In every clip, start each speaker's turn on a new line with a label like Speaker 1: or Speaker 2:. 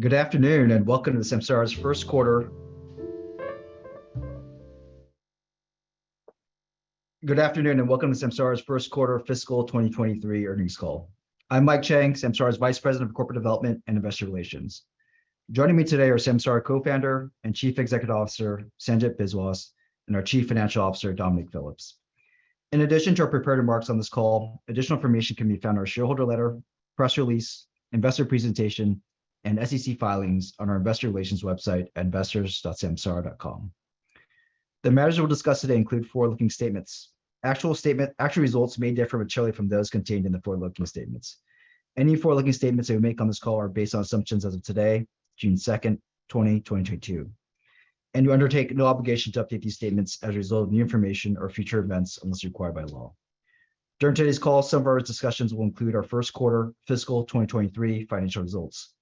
Speaker 1: Good afternoon, and welcome to Samsara's first quarter fiscal 2023 earnings call. I'm Mike Chang, Samsara's Vice President of Corporate Development and Investor Relations. Joining me today are Samsara's Co-Founder and Chief Executive Officer, Sanjit Biswas, and our Chief Financial Officer, Dominic Phillips. In addition to our prepared remarks on this call, additional information can be found in our shareholder letter, press release, investor presentation, and SEC filings on our investor relations website, investors.samsara.com. The matters we'll discuss today include forward-looking statements. Actual results may differ materially from those contained in the forward-looking statements. Any forward-looking statements that we make on this call are based on assumptions as of today, June 2nd, 2022, and we undertake no obligation to update these statements as a result of new information or future events unless required by law. During today's call, some of our discussions will include our first quarter fiscal 2023 financial results.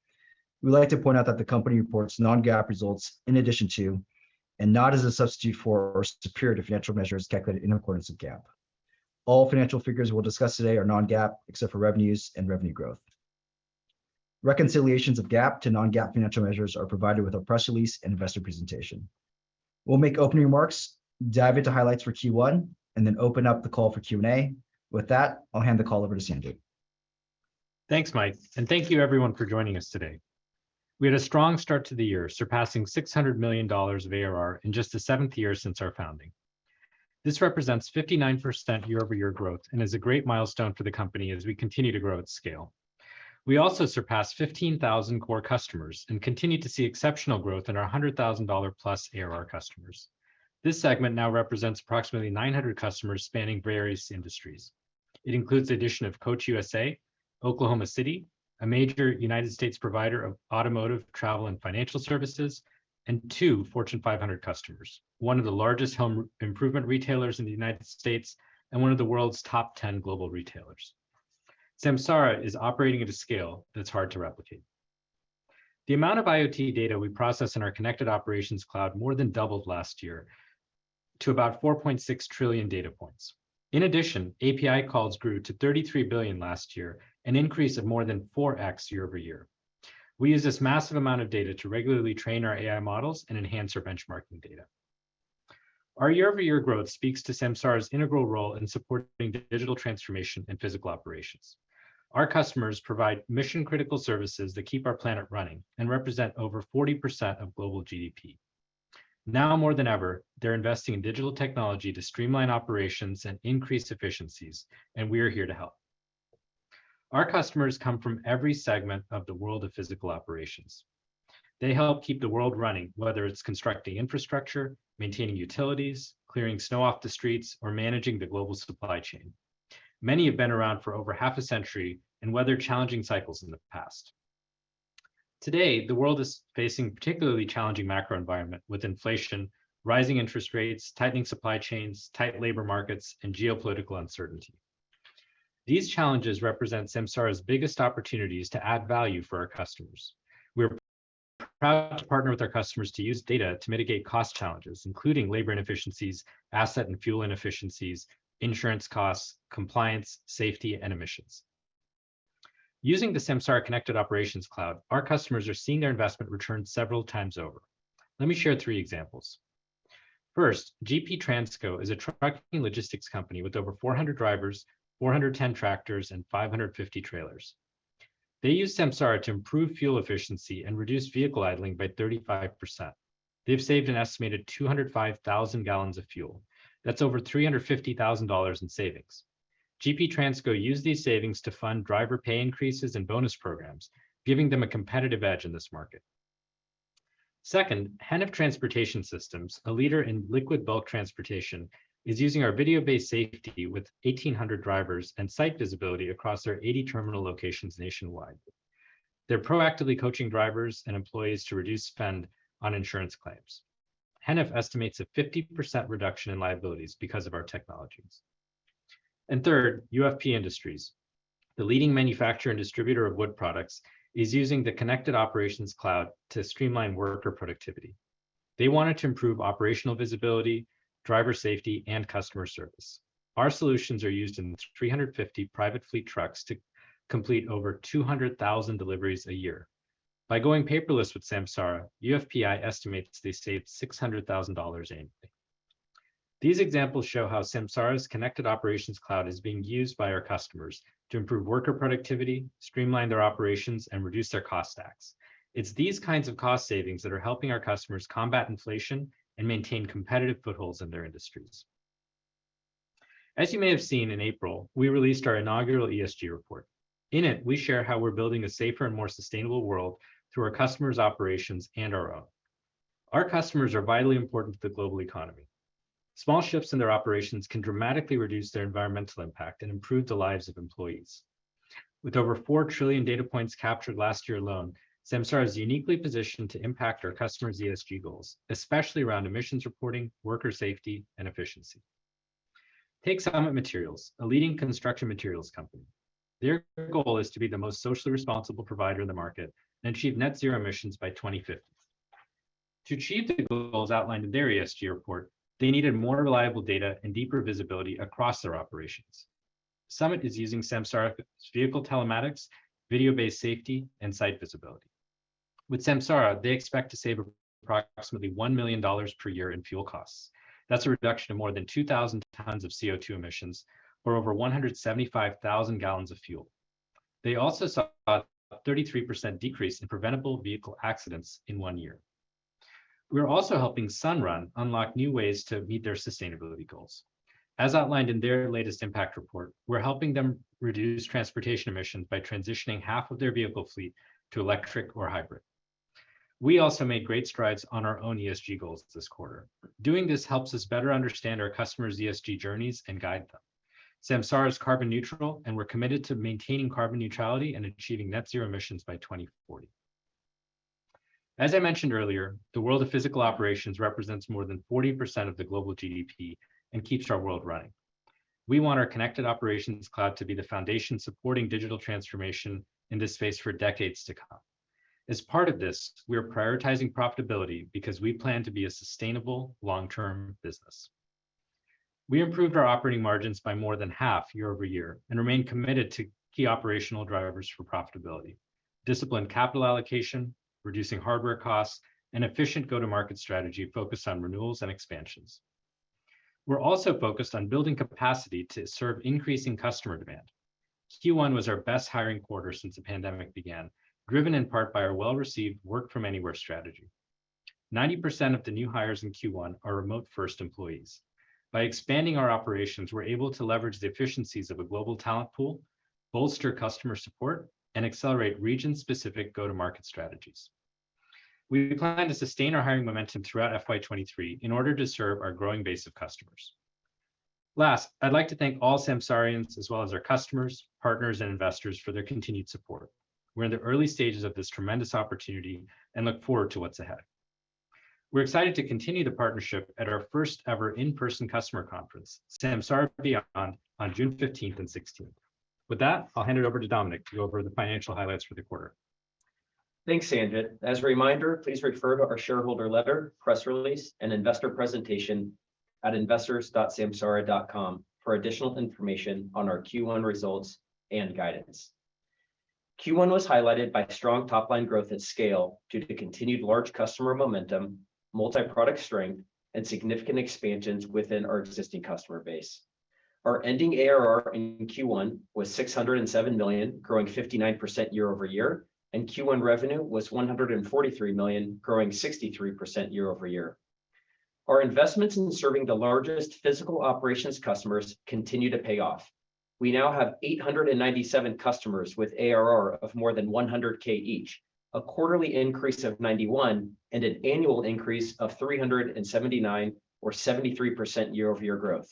Speaker 1: We'd like to point out that the company reports non-GAAP results in addition to, and not as a substitute for, our financial measures calculated in accordance with GAAP. All financial figures we'll discuss today are non-GAAP, except for revenues and revenue growth. Reconciliations of GAAP to non-GAAP financial measures are provided with our press release and investor presentation. We'll make opening remarks, dive into highlights for Q1, and then open up the call for Q&A. With that, I'll hand the call over to Sanjit.
Speaker 2: Thanks, Mike, and thank you everyone for joining us today. We had a strong start to the year, surpassing $600 million of ARR in just the seventh year since our founding. This represents 59% year-over-year growth and is a great milestone for the company as we continue to grow at scale. We also surpassed 15,000 core customers and continue to see exceptional growth in our $100,000+ ARR customers. This segment now represents approximately 900 customers spanning various industries. It includes the addition of Coach USA, Oklahoma City, a major United States provider of automotive, travel and financial services, and two Fortune 500 customers, one of the largest home improvement retailers in the United States and one of the world's top 10 global retailers. Samsara is operating at a scale that's hard to replicate. The amount of IoT data we process in our Connected Operations Cloud more than doubled last year to about 4.6 trillion data points. In addition, API calls grew to 33 billion last year, an increase of more than 4x year-over-year. We use this massive amount of data to regularly train our AI models and enhance our benchmarking data. Our year-over-year growth speaks to Samsara's integral role in supporting digital transformation and physical operations. Our customers provide mission-critical services that keep our planet running and represent over 40% of global GDP. Now more than ever, they're investing in digital technology to streamline operations and increase efficiencies, and we are here to help. Our customers come from every segment of the world of physical operations. They help keep the world running, whether it's constructing infrastructure, maintaining utilities, clearing snow off the streets, or managing the global supply chain. Many have been around for over 1/2 a century and weathered challenging cycles in the past. Today, the world is facing particularly challenging macro environment with inflation, rising interest rates, tightening supply chains, tight labor markets, and geopolitical uncertainty. These challenges represent Samsara's biggest opportunities to add value for our customers. We're proud to partner with our customers to use data to mitigate cost challenges, including labor inefficiencies, asset and fuel inefficiencies, insurance costs, compliance, safety, and emissions. Using the Samsara Connected Operations Cloud, our customers are seeing their investment returned several times over. Let me share three examples. First, GP Transco is a trucking logistics company with over 400 drivers, 410 tractors, and 550 trailers. They use Samsara to improve fuel efficiency and reduce vehicle idling by 35%. They've saved an estimated 205,000 gal of fuel. That's over $350,000 in savings. GP Transco use these savings to fund driver pay increases and bonus programs, giving them a competitive edge in this market. Second, Heniff Transportation Systems, a leader in liquid bulk transportation, is using our Video-Based Safety with 1,800 drivers and Site Visibility across their 80 terminal locations nationwide. They're proactively coaching drivers and employees to reduce spend on insurance claims. Heniff estimates a 50% reduction in liabilities because of our technologies. Third, UFP Industries, the leading manufacturer and distributor of wood products, is using the Connected Operations Cloud to streamline worker productivity. They wanted to improve operational visibility, driver safety, and customer service. Our solutions are used in 350 private fleet trucks to complete over 200,000 deliveries a year. By going paperless with Samsara, UFP Industries estimates they saved $600,000 annually. These examples show how Samsara's Connected Operations Cloud is being used by our customers to improve worker productivity, streamline their operations, and reduce their cost stacks. It's these kinds of cost savings that are helping our customers combat inflation and maintain competitive footholds in their industries. As you may have seen in April, we released our inaugural ESG report. In it, we share how we're building a safer and more sustainable world through our customers' operations and our own. Our customers are vitally important to the global economy. Small shifts in their operations can dramatically reduce their environmental impact and improve the lives of employees. With over 4 trillion data points captured last year alone, Samsara is uniquely positioned to impact our customers' ESG goals, especially around emissions reporting, worker safety, and efficiency. Take Summit Materials, a leading construction materials company. Their goal is to be the most socially responsible provider in the market and achieve net zero emissions by 2050. To achieve the goals outlined in their ESG report, they needed more reliable data and deeper visibility across their operations. Summit is using Samsara's Vehicle Telematics, Video-Based Safety, and Site Visibility. With Samsara, they expect to save approximately $1 million per year in fuel costs. That's a reduction of more than 2,000 tons of CO₂ emissions or over 175,000 gal of fuel. They also saw a 33% decrease in preventable vehicle accidents in one year. We are also helping Sunrun unlock new ways to meet their sustainability goals. As outlined in their latest impact report, we're helping them reduce transportation emissions by transitioning 1/2 of their vehicle fleet to electric or hybrid. We also made great strides on our own ESG goals this quarter. Doing this helps us better understand our customers' ESG journeys and guide them. Samsara is carbon neutral, and we're committed to maintaining carbon neutrality and achieving net zero emissions by 2040. As I mentioned earlier, the world of physical operations represents more than 40% of the global GDP and keeps our world running. We want our Connected Operations Cloud to be the foundation supporting digital transformation in this space for decades to come. As part of this, we are prioritizing profitability because we plan to be a sustainable long-term business. We improved our operating margins by more than 1/2 year-over-year and remain committed to key operational drivers for profitability, disciplined capital allocation, reducing hardware costs, and efficient go-to-market strategy focused on renewals and expansions. We're also focused on building capacity to serve increasing customer demand. Q1 was our best hiring quarter since the pandemic began, driven in part by our well-received work-from-anywhere strategy. 90% of the new hires in Q1 are remote-first employees. By expanding our operations, we're able to leverage the efficiencies of a global talent pool, bolster customer support, and accelerate region-specific go-to-market strategies. We plan to sustain our hiring momentum throughout FY 2023 in order to serve our growing base of customers. Last, I'd like to thank all Samsarians as well as our customers, partners, and investors for their continued support. We're in the early stages of this tremendous opportunity and look forward to what's ahead. We're excited to continue the partnership at our first-ever in-person customer conference, Samsara Beyond, on June 15th and 16th. With that, I'll hand it over to Dominic to go over the financial highlights for the quarter.
Speaker 3: Thanks, Sanjit. As a reminder, please refer to our shareholder letter, press release, and investor presentation at investors.samsara.com for additional information on our Q1 results and guidance. Q1 was highlighted by strong top-line growth at scale due to the continued large customer momentum, multi-product strength, and significant expansions within our existing customer base. Our ending ARR in Q1 was $607 million, growing 59% year-over-year, and Q1 revenue was $143 million, growing 63% year-over-year. Our investments in serving the largest physical operations customers continue to pay off. We now have 897 customers with ARR of more than $100,000 each, a quarterly increase of 91, and an annual increase of 379 or 73% year-over-year growth.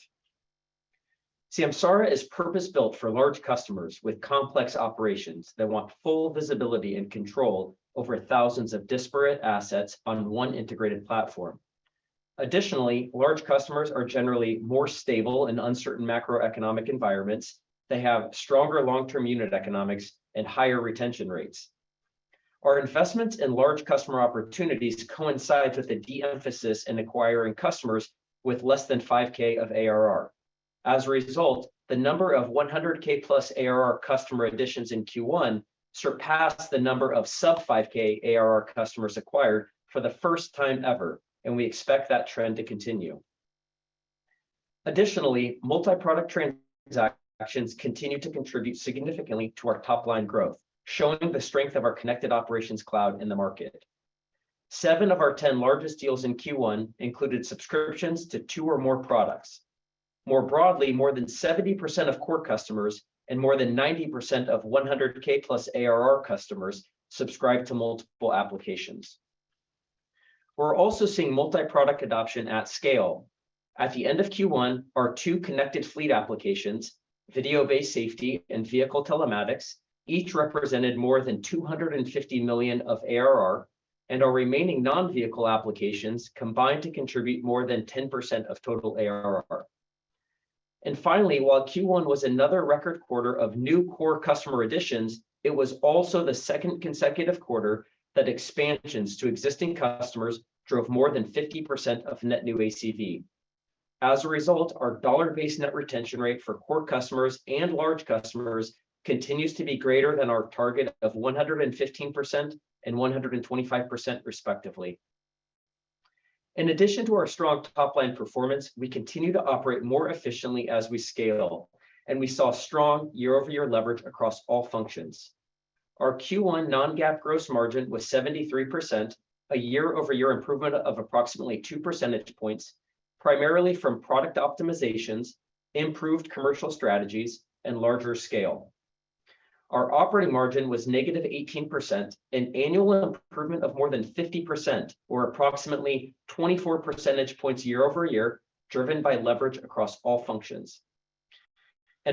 Speaker 3: Samsara is purpose-built for large customers with complex operations that want full visibility and control over thousands of disparate assets on one integrated platform. Additionally, large customers are generally more stable in uncertain macroeconomic environments, they have stronger long-term unit economics, and higher retention rates. Our investments in large customer opportunities coincides with the de-emphasis in acquiring customers with less than $5,000 of ARR. As a result, the number of $100,000+ ARR customer additions in Q1 surpassed the number of sub-$5,000 ARR customers acquired for the first time ever, and we expect that trend to continue. Additionally, multi-product transactions continue to contribute significantly to our top-line growth, showing the strength of our Connected Operations Cloud in the market. Seven of our 10 largest deals in Q1 included subscriptions to two or more products. More broadly, more than 70% of core customers and more than 90% of $100,000+ ARR customers subscribe to multiple applications. We're also seeing multi-product adoption at scale. At the end of Q1, our two connected fleet applications, Video-Based Safety and Vehicle Telematics, each represented more than $250 million of ARR, and our remaining non-vehicle applications combined to contribute more than 10% of total ARR. Finally, while Q1 was another record quarter of new core customer additions, it was also the second consecutive quarter that expansions to existing customers drove more than 50% of Net New ACV. As a result, our dollar-based net retention rate for core customers and large customers continues to be greater than our target of 115% and 125% respectively. In addition to our strong top-line performance, we continue to operate more efficiently as we scale, and we saw strong year-over-year leverage across all functions. Our Q1 non-GAAP gross margin was 73%, a year-over-year improvement of approximately 2 percentage points, primarily from product optimizations, improved commercial strategies, and larger scale. Our operating margin was -18%, an annual improvement of more than 50% or approximately 24 percentage points year-over-year, driven by leverage across all functions.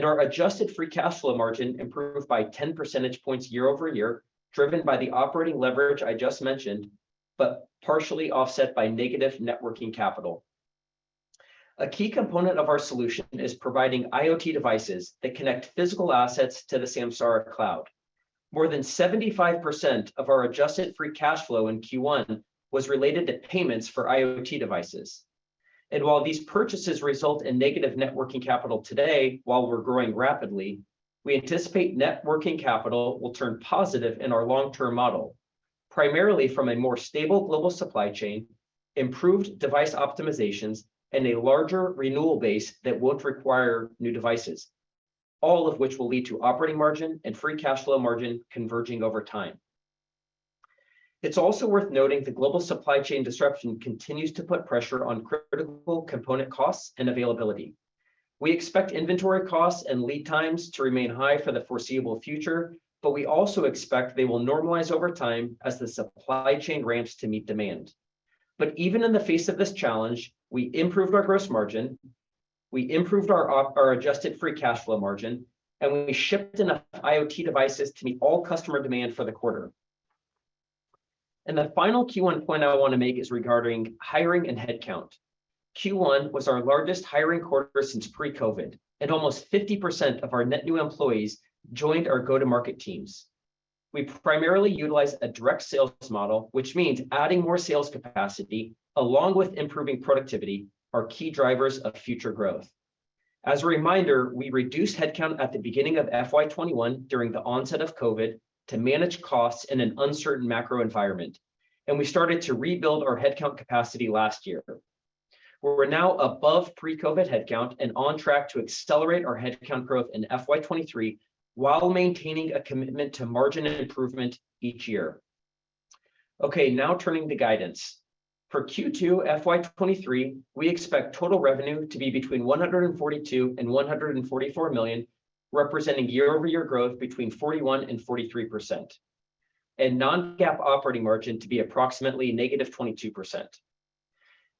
Speaker 3: Our adjusted free cash flow margin improved by 10 percentage points year-over-year, driven by the operating leverage I just mentioned, but partially offset by negative working capital. A key component of our solution is providing IoT devices that connect physical assets to the Samsara Cloud. More than 75% of our adjusted free cash flow in Q1 was related to payments for IoT devices. While these purchases result in negative net working capital today while we're growing rapidly, we anticipate net working capital will turn positive in our long-term model, primarily from a more stable global supply chain, improved device optimizations, and a larger renewal base that won't require new devices, all of which will lead to operating margin and free cash flow margin converging over time. It's also worth noting the global supply chain disruption continues to put pressure on critical component costs and availability. We expect inventory costs and lead times to remain high for the foreseeable future, but we also expect they will normalize over time as the supply chain ramps to meet demand. Even in the face of this challenge, we improved our gross margin, we improved our adjusted free cash flow margin, and we shipped enough IoT devices to meet all customer demand for the quarter. The final Q1 point I want to make is regarding hiring and head count. Q1 was our largest hiring quarter since pre-COVID, and almost 50% of our net new employees joined our go-to-market teams. We primarily utilize a direct sales model, which means adding more sales capacity, along with improving productivity, are key drivers of future growth. As a reminder, we reduced head count at the beginning of FY 2021 during the onset of COVID to manage costs in an uncertain macro environment, and we started to rebuild our head count capacity last year. We're now above pre-COVID head count and on track to accelerate our head count growth in FY 2023, while maintaining a commitment to margin improvement each year. Okay, now turning to guidance. For Q2 FY 2023, we expect total revenue to be between $142 million and $144 million, representing year-over-year growth between 41% and 43%, and non-GAAP operating margin to be approximately -22%.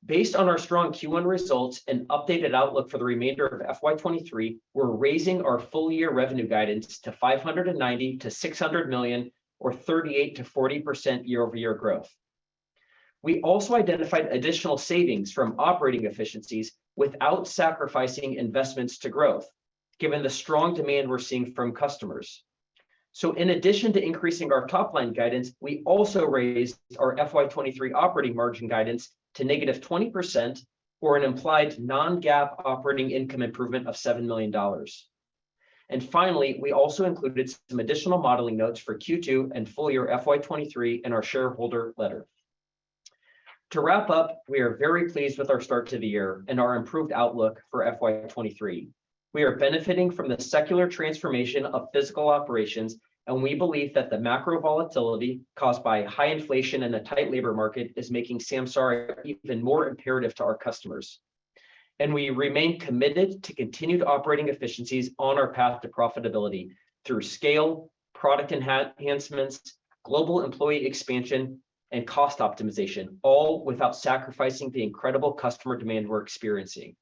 Speaker 3: Based on our strong Q1 results and updated outlook for the remainder of FY 2023, we're raising our full-year revenue guidance to $590 million-$600 million, or 38%-40% year-over-year growth. We also identified additional savings from operating efficiencies without sacrificing investments to growth, given the strong demand we're seeing from customers. In addition to increasing our top line guidance, we also raised our FY 2023 operating margin guidance to -20%, or an implied non-GAAP operating income improvement of $7 million. Finally, we also included some additional modeling notes for Q2 and full year FY 2023 in our shareholder letter. To wrap up, we are very pleased with our start to the year and our improved outlook for FY 2023. We are benefiting from the secular transformation of physical operations, and we believe that the macro volatility caused by high inflation and a tight labor market is making Samsara even more imperative to our customers. We remain committed to continued operating efficiencies on our path to profitability through scale, product enhancements, global employee expansion, and cost optimization, all without sacrificing the incredible customer demand we're experiencing.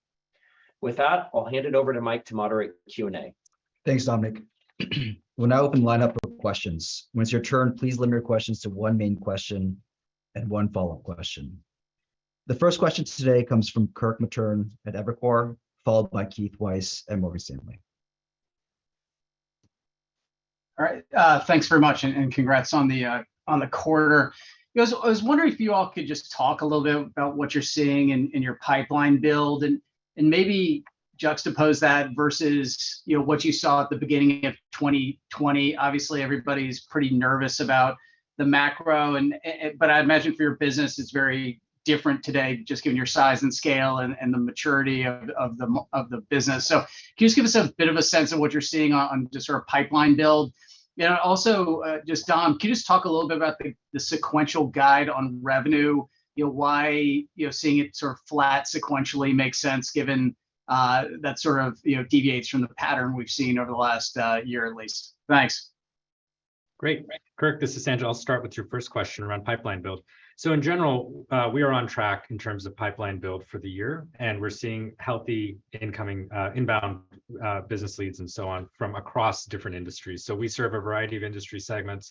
Speaker 3: With that, I'll hand it over to Mike to moderate Q&A.
Speaker 1: Thanks, Dominic. We'll now open the line up for questions. When it's your turn, please limit your questions to one main question and one follow-up question. The first question today comes from Kirk Materne at Evercore, followed by Keith Weiss at Morgan Stanley.
Speaker 4: All right. Thanks very much and congrats on the quarter. You know, I was wondering if you all could just talk a little bit about what you're seeing in your pipeline build, and maybe juxtapose that versus what you saw at the beginning of 2020. Obviously, everybody's pretty nervous about the macro, but I'd imagine for your business it's very different today, just given your size and scale and the maturity of the business. Can you just give us a bit of a sense of what you're seeing on just sort of pipeline build? You know, also, just Dom, can you just talk a little bit about the sequential guide on revenue? You know, why, you know, seeing it sort of flat sequentially makes sense given, that sort of, you know, deviates from the pattern we've seen over the last, year at least. Thanks.
Speaker 2: Great. Kirk, this is Sanjit. I'll start with your first question around pipeline build. In general, we are on track in terms of pipeline build for the year, and we're seeing healthy incoming inbound business leads and so on from across different industries. We serve a variety of industry segments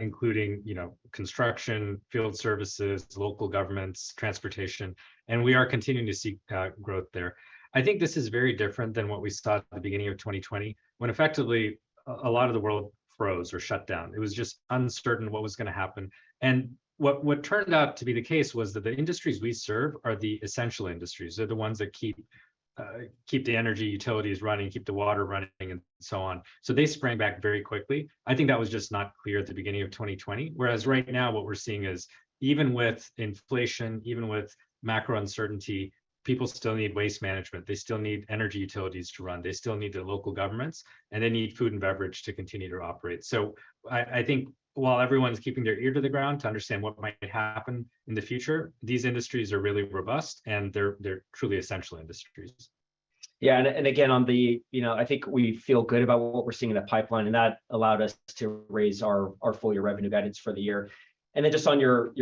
Speaker 2: including, you know, construction, field services, local governments, transportation, and we are continuing to see growth there. I think this is very different than what we saw at the beginning of 2020 when effectively a lot of the world froze or shut down. It was just uncertain what was gonna happen. What turned out to be the case was that the industries we serve are the essential industries. They're the ones that keep the energy utilities running, keep the water running, and so on. They sprang back very quickly. I think that was just not clear at the beginning of 2020, whereas right now what we're seeing is even with inflation, even with macro uncertainty, people still need waste management, they still need energy utilities to run, they still need the local governments, and they need food and beverage to continue to operate. I think while everyone's keeping their ear to the ground to understand what might happen in the future, these industries are really robust and they're truly essential industries.
Speaker 3: You know, I think we feel good about what we're seeing in the pipeline, and that allowed us to raise our full year revenue guidance for the year. Just on your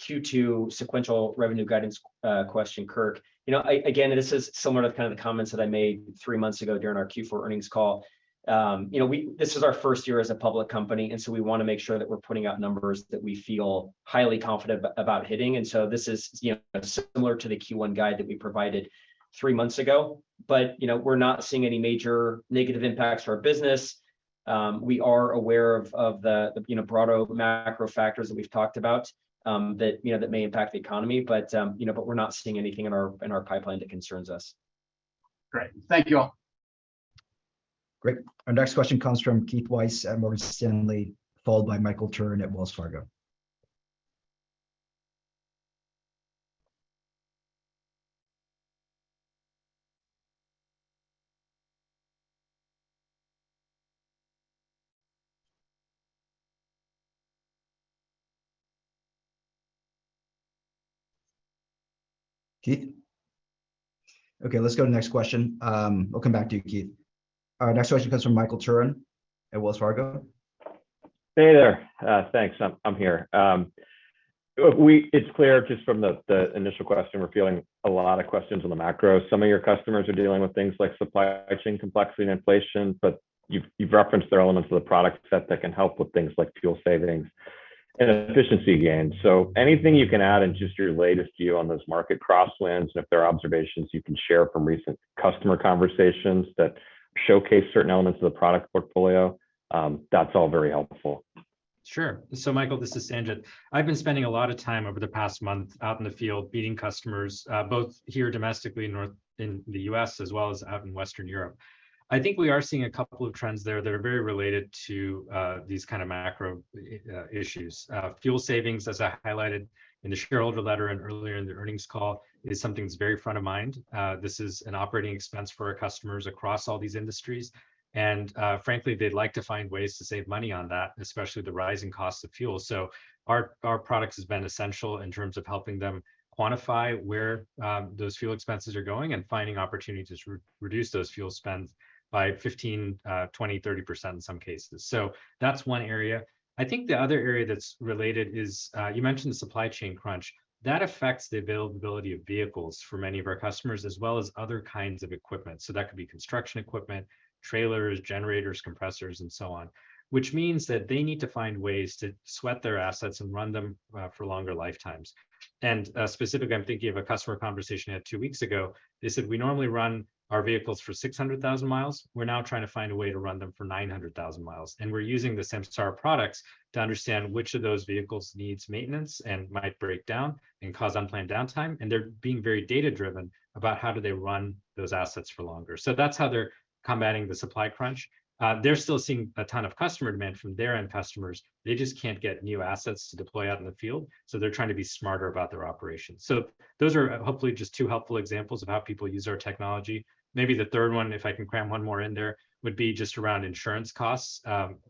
Speaker 3: Q2 sequential revenue guidance question, Kirk. You know, again, this is similar to kind of the comments that I made three months ago during our Q4 earnings call. You know, this is our first year as a public company, and so we wanna make sure that we're putting out numbers that we feel highly confident about hitting. This is, you know, similar to the Q1 guide that we provided three months ago. you know, we're not seeing any major negative impacts to our business. We are aware of the broader macro factors that we've talked about, that you know that may impact the economy. you know, but we're not seeing anything in our pipeline that concerns us.
Speaker 4: Great. Thank you all.
Speaker 1: Great. Our next question comes from Keith Weiss at Morgan Stanley, followed by Michael Turrin at Wells Fargo. Keith? Okay, let's go to the next question. We'll come back to you, Keith. Our next question comes from Michael Turrin at Wells Fargo.
Speaker 5: Hey there. Thanks. I'm here. It's clear just from the initial question we're fielding a lot of questions on the macro. Some of your customers are dealing with things like supply chain complexity and inflation, but you've referenced there are elements of the product set that can help with things like fuel savings and efficiency gains. Anything you can add and just your latest view on those market crosswinds, and if there are observations you can share from recent customer conversations that showcase certain elements of the product portfolio, that's all very helpful.
Speaker 2: Sure. Michael, this is Sanjit. I've been spending a lot of time over the past month out in the field meeting customers, both here domestically in the U.S. as well as out in Western Europe. I think we are seeing a couple of trends there that are very related to these kind of macro issues. Fuel savings, as I highlighted in the shareholder letter and earlier in the earnings call, is something that's very front of mind. This is an operating expense for our customers across all these industries, and frankly, they'd like to find ways to save money on that, especially the rising cost of fuel. Our products has been essential in terms of helping them quantify where those fuel expenses are going and finding opportunities to reduce those fuel spends by 15%, 20%, 30% in some cases. That's one area. I think the other area that's related is you mentioned the supply chain crunch. That affects the availability of vehicles for many of our customers, as well as other kinds of equipment. That could be construction equipment, trailers, generators, compressors and so on, which means that they need to find ways to sweat their assets and run them for longer lifetimes. Specifically, I'm thinking of a customer conversation we had two weeks ago. They said, "We normally run our vehicles for 600,000 mi. We're now trying to find a way to run them for 900,000 mi. We're using the Samsara products to understand which of those vehicles needs maintenance and might break down and cause unplanned downtime." They're being very data-driven about how do they run those assets for longer. So that's how they're combating the supply crunch. They're still seeing a ton of customer demand from their end customers. They just can't get new assets to deploy out in the field, so they're trying to be smarter about their operations. So those are hopefully just two helpful examples of how people use our technology. Maybe the third one, if I can cram one more in there, would be just around insurance costs.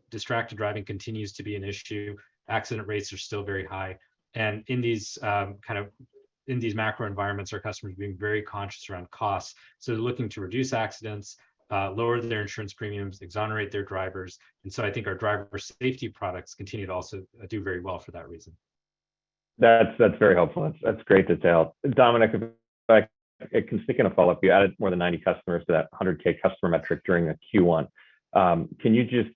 Speaker 2: Distracted driving continues to be an issue. Accident rates are still very high. In these macro environments, our customers are being very conscious around costs. They're looking to reduce accidents, lower their insurance premiums, exonerate their drivers. I think our driver safety products continue to also do very well for that reason.
Speaker 5: That's very helpful. That's great detail. Dominic, if I can stick in a follow-up. You added more than 90 customers to that $100,000 customer metric during the Q1. Can you just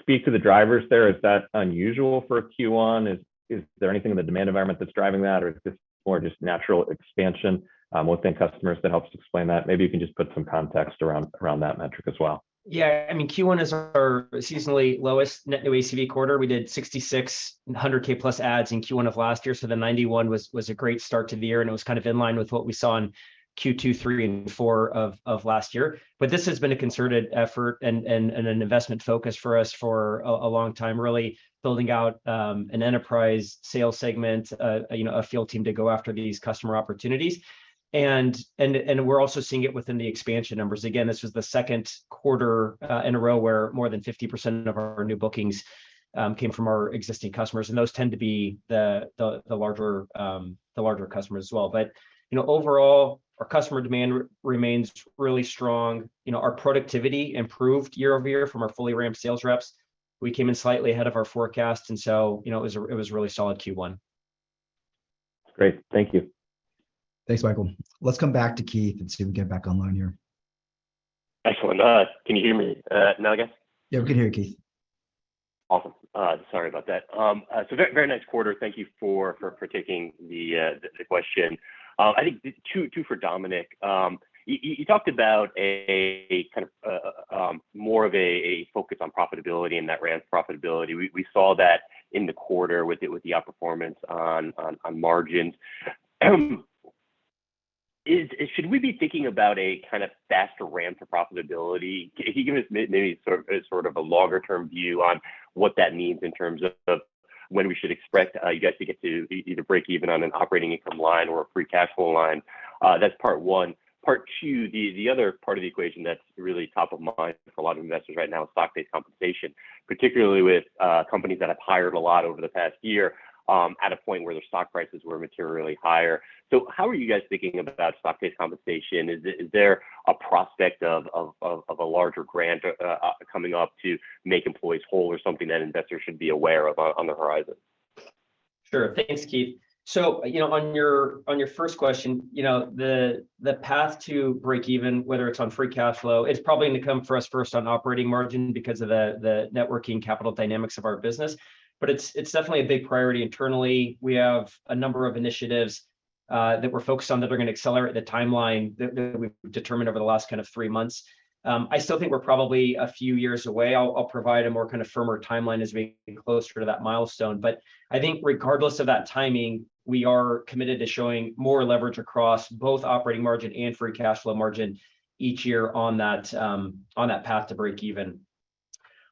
Speaker 5: speak to the drivers there? Is that unusual for a Q1? Is there anything in the demand environment that's driving that or is this more just natural expansion within customers that helps explain that? Maybe you can just put some context around that metric as well.
Speaker 3: Yeah. I mean, Q1 is our seasonally lowest Net New ACV quarter. We did 66 and $100,000+ adds in Q1 of last year, so the $91 million was a great start to the year, and it was kind of in line with what we saw in Q2, Q3 and Q4 of last year. This has been a concerted effort and an investment focus for us for a long time. Really building out an enterprise sales segment, you know, a field team to go after these customer opportunities. We're also seeing it within the expansion numbers. Again, this was the second quarter in a row where more than 50% of our new bookings came from our existing customers, and those tend to be the larger customers as well. You know, overall, our customer demand remains really strong. You know, our productivity improved year-over-year from our fully ramped sales reps. We came in slightly ahead of our forecast. You know, it was a really solid Q1.
Speaker 5: Great. Thank you.
Speaker 1: Thanks, Michael. Let's come back to Keith and see if we can get back online here.
Speaker 6: Excellent. Can you hear me now again?
Speaker 1: Yeah, we can hear you, Keith.
Speaker 6: Awesome. Sorry about that. Very nice quarter. Thank you for taking the question. I think two for Dominic. You talked about a kind of a more of a focus on profitability and that ramp's profitability. We saw that in the quarter with the outperformance on margins. Should we be thinking about a kind of faster ramp to profitability? Can you give us maybe sort of a longer term view on what that means in terms of when we should expect you guys to get to either break even on an operating income line or a free cash flow line? That's part one. Part two, the other part of the equation that's really top of mind for a lot of investors right now is stock-based compensation, particularly with companies that have hired a lot over the past year, at a point where their stock prices were materially higher. How are you guys thinking about stock-based compensation? Is there a prospect of a larger grant coming up to make employees whole or something that investors should be aware of on the horizon?
Speaker 3: Sure. Thanks, Keith. You know, on your first question, you know, the path to breakeven, whether it's on free cash flow, it's probably gonna come for us first on operating margin because of the working capital dynamics of our business. It's definitely a big priority internally. We have a number of initiatives that we're focused on, that we're gonna accelerate the timeline that we've determined over the last kind of three months. I still think we're probably a few years away. I'll provide a more kind of firmer timeline as we get closer to that milestone. I think regardless of that timing, we are committed to showing more leverage across both operating margin and free cash flow margin each year on that path to breakeven.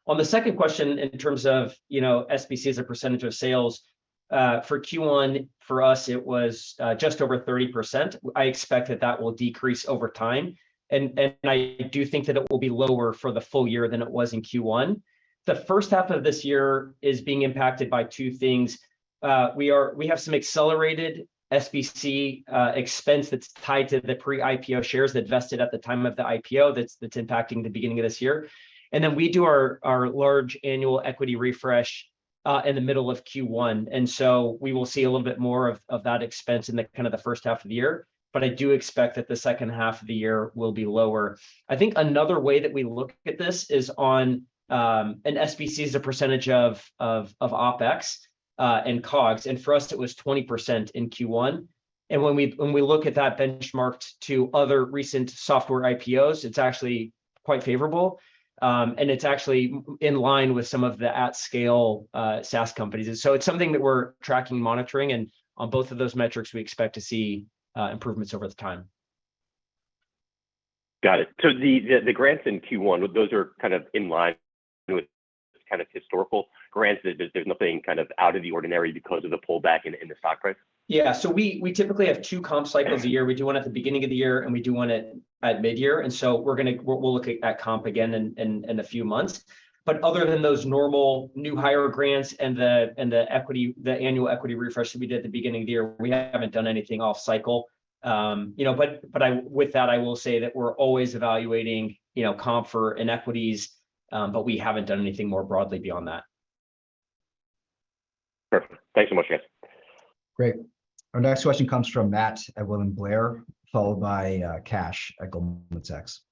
Speaker 3: On the second question, in terms of, you know, SBC as a percentage of sales, for Q1, for us it was just over 30%. I expect that will decrease over time, and I do think that it will be lower for the full year than it was in Q1. The first half of this year is being impacted by two things. We have some accelerated SBC expense that's tied to the pre-IPO shares that vested at the time of the IPO that's impacting the beginning of this year. We do our large annual equity refresh in the middle of Q1, and so we will see a little bit more of that expense in the kind of the first half of the year. I do expect that the second half of the year will be lower. I think another way that we look at this is on an SBC as a percentage of OpEx and COGS, and for us it was 20% in Q1. When we look at that benchmarked to other recent software IPOs, it's actually quite favorable, and it's actually in line with some of the at scale SaaS companies. It's something that we're tracking, monitoring, and on both of those metrics we expect to see improvements over the time.
Speaker 6: Got it. The grants in Q1, those are kind of in line with kind of historical grants. There's nothing kind of out of the ordinary because of the pullback in the stock price?
Speaker 3: We typically have two comp cycles a year. We do one at the beginning of the year and we do one at mid-year. We're looking at comp again in a few months. Other than those normal new hire grants and the equity, the annual equity refresh that we did at the beginning of the year, we haven't done anything off cycle. You know, with that, I will say that we're always evaluating, you know, comp for inequities, but we haven't done anything more broadly beyond that.
Speaker 6: Perfect. Thanks so much, guys.
Speaker 1: Great. Our next question comes from Matt at William Blair, followed by Kash at Goldman Sachs.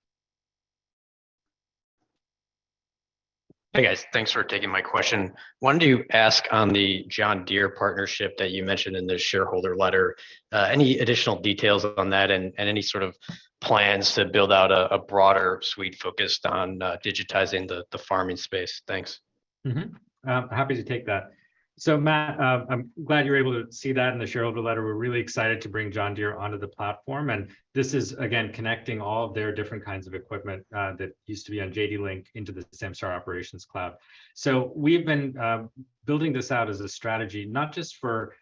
Speaker 7: Hey, guys. Thanks for taking my question. Wanted to ask on the John Deere partnership that you mentioned in the shareholder letter, any additional details on that and any sort of plans to build out a broader suite focused on digitizing the farming space? Thanks.
Speaker 2: I'm happy to take that. Matt, I'm glad you were able to see that in the shareholder letter. We're really excited to bring John Deere onto the platform, and this is again connecting all of their different kinds of equipment that used to be on JDLink into the Samsara Operations Cloud. We've been building this out as a strategy, not just for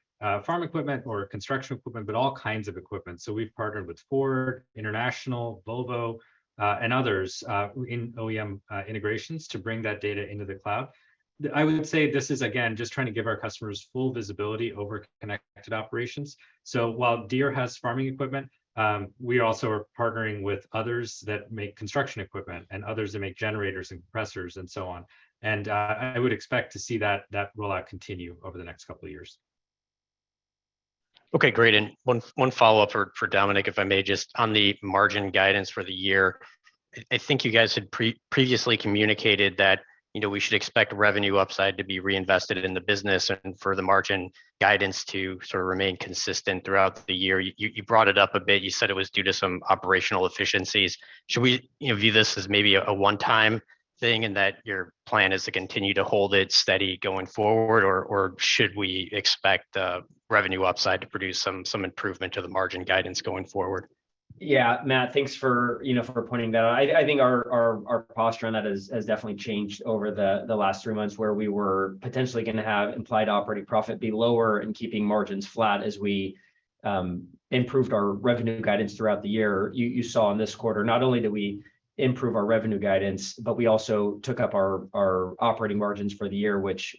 Speaker 2: farm equipment or construction equipment, but all kinds of equipment. We've partnered with Ford, Navistar International, Volvo, and others in OEM integrations to bring that data into the cloud. I would say this is again just trying to give our customers full visibility over connected operations. While Deere has farming equipment, we also are partnering with others that make construction equipment and others that make generators and compressors and so on. I would expect to see that rollout continue over the next couple of years.
Speaker 7: Okay, great. One follow-up for Dominic, if I may. Just on the margin guidance for the year, I think you guys had previously communicated that, you know, we should expect revenue upside to be reinvested in the business and for the margin guidance to sort of remain consistent throughout the year. You brought it up a bit. You said it was due to some operational efficiencies. Should we, you know, view this as maybe a one-time thing in that your plan is to continue to hold it steady going forward? Or should we expect revenue upside to produce some improvement to the margin guidance going forward?
Speaker 3: Yeah. Matt, thanks for, you know, for pointing that out. I think our posture on that has definitely changed over the last three months where we were potentially gonna have implied operating profit be lower and keeping margins flat as we improved our revenue guidance throughout the year. You saw in this quarter, not only did we improve our revenue guidance, but we also took up our operating margins for the year, which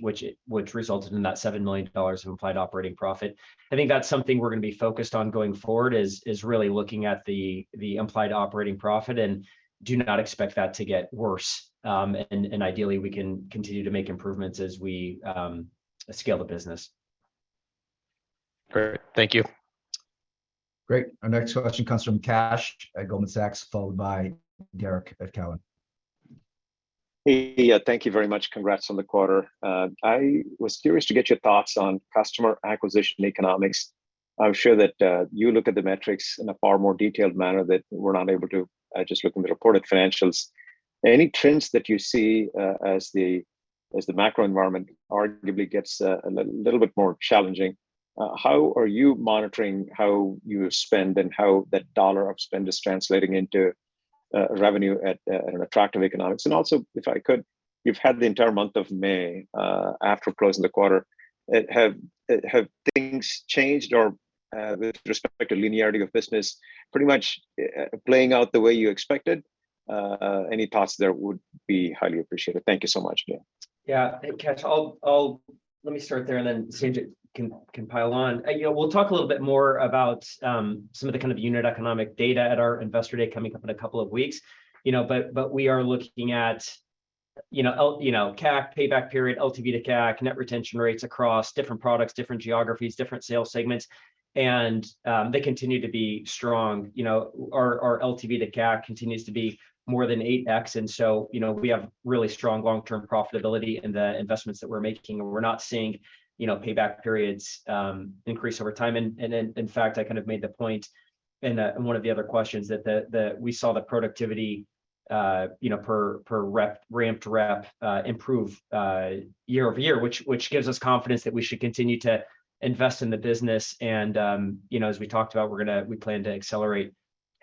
Speaker 3: resulted in that $7 million of implied operating profit. I think that's something we're gonna be focused on going forward is really looking at the implied operating profit and do not expect that to get worse. Ideally, we can continue to make improvements as we scale the business.
Speaker 7: Great. Thank you.
Speaker 1: Great. Our next question comes from Kash at Goldman Sachs, followed by Derrick at Cowen.
Speaker 8: Hey. Thank you very much. Congrats on the quarter. I was curious to get your thoughts on customer acquisition economics. I'm sure that you look at the metrics in a far more detailed manner than we are able to, just looking at reported financials. Any trends that you see as the macro environment arguably gets a little bit more challenging, how are you monitoring how you spend and how that dollar of spend is translating into revenue at an attractive economics? Also, if I could, you've had the entire month of May after closing the quarter. Have things changed or, with respect to linearity of business, pretty much playing out the way you expected? Any thoughts there would be highly appreciated. Thank you so much.
Speaker 3: Yeah. Hey, Kash, let me start there and then Sanjit can pile on. You know, we'll talk a little bit more about some of the kind of unit economic data at our Investor Day coming up in a couple of weeks, you know. We are looking at, you know, CAC payback period, LTV to CAC, net retention rates across different products, different geographies, different sales segments, and they continue to be strong. You know, our LTV to CAC continues to be more than 8x, and so, you know, we have really strong long-term profitability in the investments that we're making, and we're not seeing, you know, payback periods increase over time. In fact, I kind of made the point in one of the other questions that the We saw the productivity per ramped rep improve year-over-year, which gives us confidence that we should continue to invest in the business. You know, as we talked about, we plan to accelerate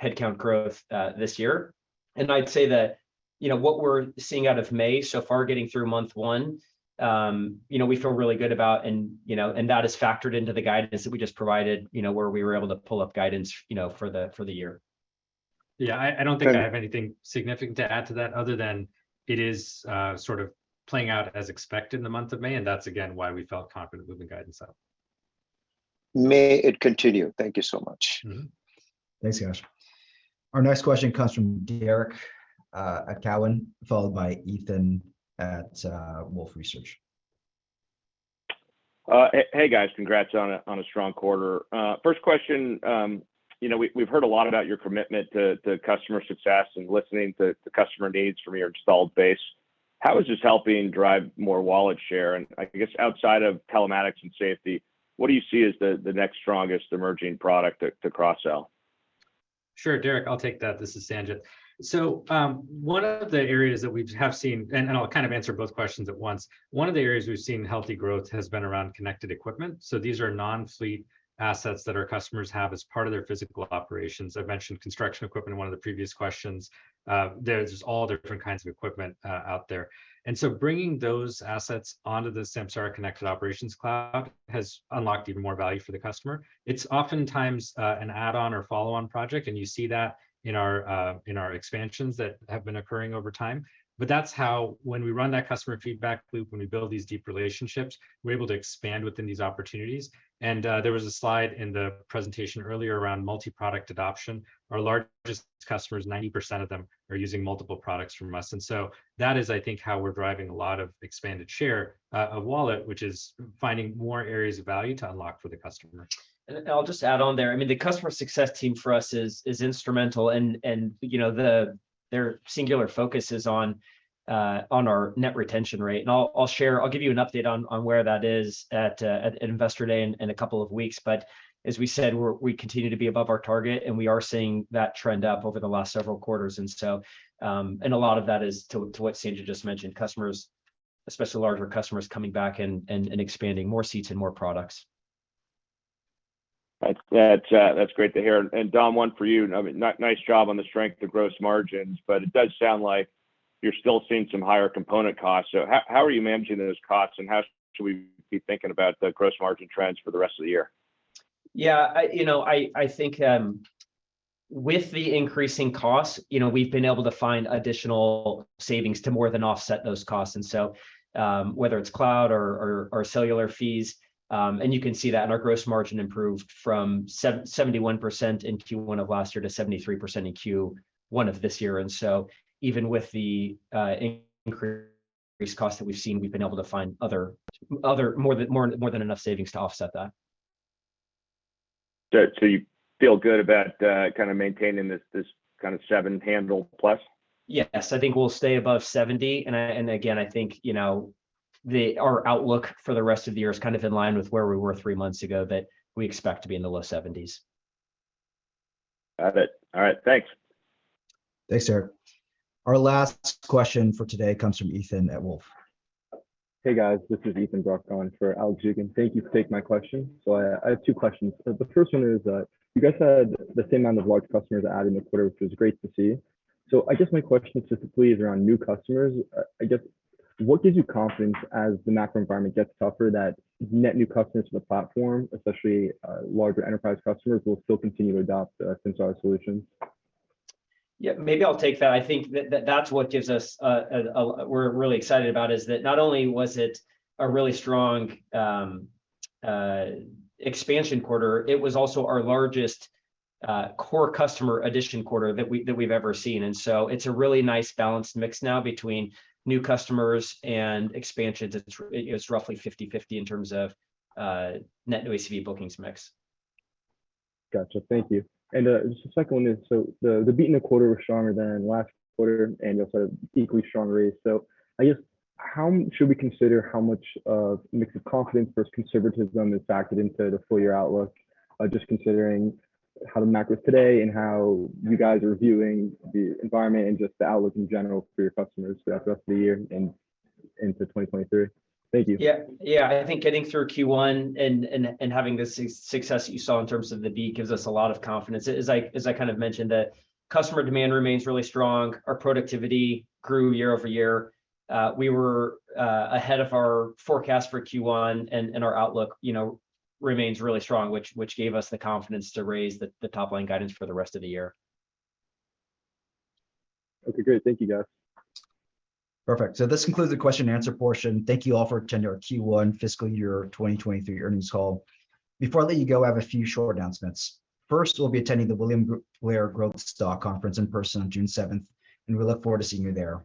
Speaker 3: headcount growth this year. I'd say that, you know, what we're seeing out of May so far, getting through month one, you know, we feel really good about, and you know, that is factored into the guidance that we just provided, you know, where we were able to pull up guidance, you know, for the year.
Speaker 2: Yeah. I don't think.
Speaker 8: Okay.
Speaker 2: I have anything significant to add to that other than it is, sort of playing out as expected in the month of May, and that's again why we felt confident with the guidance level.
Speaker 8: May it continue. Thank you so much.
Speaker 3: Mm-hmm.
Speaker 1: Thanks, Kash. Our next question comes from Derrick at Cowen, followed by Ethan at Wolfe Research.
Speaker 9: Hey guys, congrats on a strong quarter. First question, you know, we've heard a lot about your commitment to customer success and listening to customer needs from your installed base. How is this helping drive more wallet share? I guess outside of telematics and safety, what do you see as the next strongest emerging product to cross-sell?
Speaker 2: Sure, Derrick, I'll take that. This is Sanjit. One of the areas that we have seen. I'll kind of answer both questions at once. One of the areas we've seen healthy growth has been around connected equipment, so these are non-fleet assets that our customers have as part of their physical operations. I've mentioned construction equipment in one of the previous questions. There's just all different kinds of equipment out there. Bringing those assets onto the Samsara Connected Operations Cloud has unlocked even more value for the customer. It's oftentimes an add-on or follow-on project, and you see that in our expansions that have been occurring over time. That's how when we run that customer feedback loop, when we build these deep relationships, we're able to expand within these opportunities. There was a slide in the presentation earlier around multi-product adoption. Our largest customers, 90% of them are using multiple products from us. That is, I think, how we're driving a lot of expanded share of wallet, which is finding more areas of value to unlock for the customer.
Speaker 3: I'll just add on there. I mean, the customer success team for us is instrumental and you know their singular focus is on our net retention rate. I'll give you an update on where that is at Investor Day in a couple of weeks. As we said, we continue to be above our target, and we are seeing that trend up over the last several quarters. A lot of that is to what Sanjit just mentioned, customers, especially larger customers, coming back and expanding more seats and more products.
Speaker 9: That's great to hear. Dom, one for you. I mean, nice job on the strength of gross margins, but it does sound like you're still seeing some higher component costs. How are you managing those costs, and how should we be thinking about the gross margin trends for the rest of the year?
Speaker 3: Yeah. I think, with the increasing costs, you know, we've been able to find additional savings to more than offset those costs. Whether it's cloud or cellular fees, you can see that in our gross margin improved from 71% in Q1 of last year to 73% in Q1 of this year. Even with the increased cost that we've seen, we've been able to find other more than enough savings to offset that.
Speaker 9: You feel good about kind of maintaining this kind of seven handle plus?
Speaker 3: Yes. I think we'll stay above 70%. Again, I think, you know, our outlook for the rest of the year is kind of in line with where we were three months ago, that we expect to be in the low 70%s.
Speaker 9: Got it. All right, thanks.
Speaker 1: Thanks, Derrick. Our last question for today comes from Ethan at Wolfe.
Speaker 10: Hey guys, this is Ethan Bruck on for Alex Zukin. Thank you for taking my question. I have two questions. The first one is, you guys had the same amount of large customers added in the quarter, which was great to see. I guess my question specifically is around new customers. I guess what gives you confidence as the macro environment gets tougher that net new customers to the platform, especially larger enterprise customers, will still continue to adopt Samsara solutions?
Speaker 3: Yeah, maybe I'll take that. I think that's what gives us. We're really excited about is that not only was it a really strong expansion quarter, it was also our largest core customer addition quarter that we've ever seen. It's a really nice balanced mix now between new customers and expansions. It's roughly 50/50 in terms of Net New ACV Bookings Mix.
Speaker 10: Gotcha. Thank you. The second one is, so the beat in the quarter was stronger than last quarter, and you also had equally strong rates. So I guess how should we consider how much of mix of confidence versus conservatism is factored into the full year outlook, just considering how the macro is today and how you guys are viewing the environment and just the outlook in general for your customers throughout the rest of the year and into 2023? Thank you.
Speaker 3: Yeah. Yeah. I think getting through Q1 and having the success that you saw in terms of the beat gives us a lot of confidence. As I kind of mentioned, that customer demand remains really strong. Our productivity grew year-over-year. We were ahead of our forecast for Q1, and our outlook, you know, remains really strong, which gave us the confidence to raise the top line guidance for the rest of the year.
Speaker 10: Okay, great. Thank you, guys.
Speaker 1: Perfect. This concludes the question-and-answer portion. Thank you all for attending our Q1 fiscal year 2023 earnings call. Before I let you go, I have a few short announcements. First, we'll be attending the William Blair Growth Stock Conference in person on June 7th, and we look forward to seeing you there.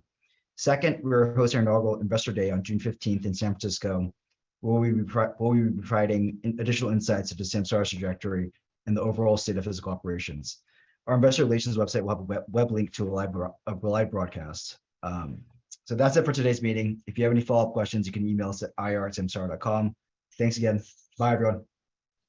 Speaker 1: Second, we will host our inaugural Investor Day on June 15th in San Francisco, where we will be providing additional insights into Samsara's trajectory and the overall state of physical operations. Our investor relations website will have a web link to a live broadcast. That's it for today's meeting. If you have any follow-up questions, you can email us at ir@samsara.com. Thanks again. Bye, everyone.